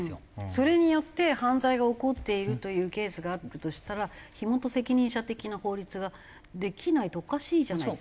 それによって犯罪が起こっているというケースがあるとしたら火元責任者的な法律ができないとおかしいじゃないですか。